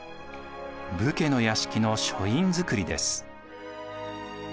武家の屋敷の書院造です。